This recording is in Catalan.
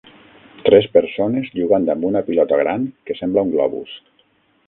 Tres persones jugant amb una pilota gran que sembla un globus.